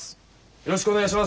よろしくお願いします！